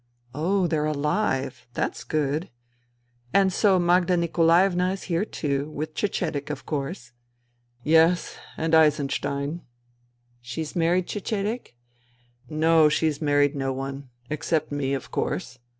" Oh, they're alive. That's good. ... And so Magda Nikolaevna is here too — with Cecedek, of course." " Yes, and Eisenstein." " She has married Cecedek ?"" No, she has married no one — except me, of course.